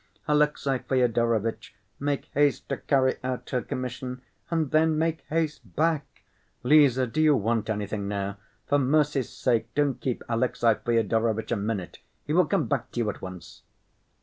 Alexey Fyodorovitch, make haste to carry out her commission, and then make haste back. Lise, do you want anything now? For mercy's sake, don't keep Alexey Fyodorovitch a minute. He will come back to you at once."